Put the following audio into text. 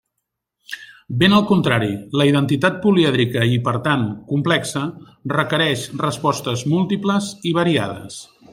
Ben al contrari, la identitat, polièdrica i, per tant, complexa, requereix respostes múltiples i variades.